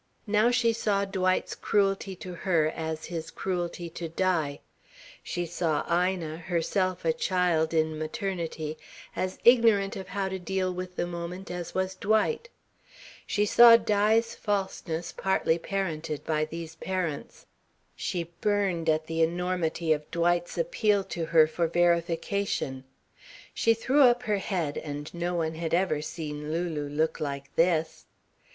Now she saw Dwight's cruelty to her as his cruelty to Di; she saw Ina, herself a child in maternity, as ignorant of how to deal with the moment as was Dwight. She saw Di's falseness partly parented by these parents. She burned at the enormity of Dwight's appeal to her for verification. She threw up her head and no one had ever seen Lulu look like this.